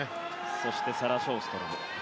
そしてサラ・ショーストロムです。